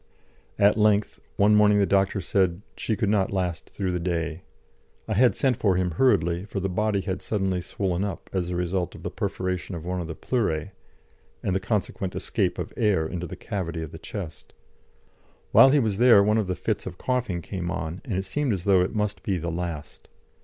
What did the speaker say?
At length, one morning the doctor said she could not last through the day; I had sent for him hurriedly, for the body had suddenly swollen up as a result of the perforation of one of the pleurae, and the consequent escape of air into the cavity of the chest. While he was there one of the fits of coughing came on, and it seemed as though it must be the last.